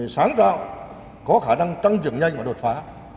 sáng tạo có khả năng tăng trưởng nhanh và đột phá